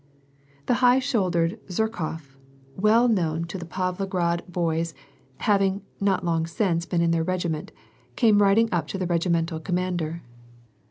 The high shouldered Zherkof, well knowu to the Pavlograd WAR AND PEACE, 171 boys, having, not long since been in their regiment, came rid ing up to the regimental commander.